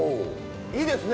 いいですね！